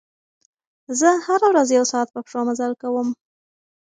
زه هره ورځ یو ساعت په پښو مزل کوم.